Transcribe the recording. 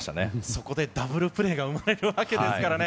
そこでダブルプレーが生まれるわけですからね。